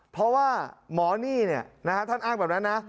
เพราะว่าหมอนี่ท่านอ้างแบบนั้นนะ